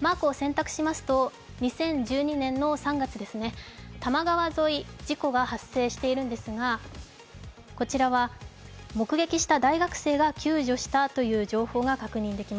マークを選択しますと、２０１２年の３月、多摩川沿い、事故が発生しているんですがこちらは目撃した大学生が救助したという情報が確認できます。